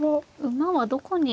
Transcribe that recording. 馬はどこに。